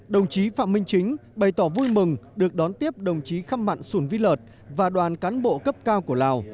đồng chí phạm minh chính bày tỏ vui mừng được đón tiếp đồng chí khăm mặn sùn vi lợt và đoàn cán bộ cấp cao của lào